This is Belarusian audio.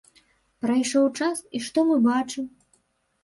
Прайшоў час, і што мы бачым?